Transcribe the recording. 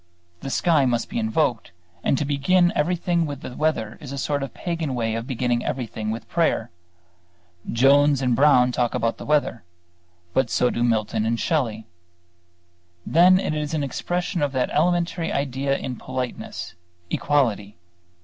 The sky must be invoked; and to begin everything with the weather is a sort of pagan way of beginning everything with prayer. Jones and Brown talk about the weather: but so do Milton and Shelley. Then it is an expression of that elementary idea in politeness equality.